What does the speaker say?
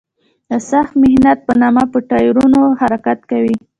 د سخت محنت په نامه په ټایرونو حرکت کوي.